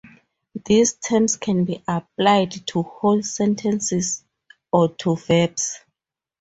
These terms can be applied to whole sentences or to verbs.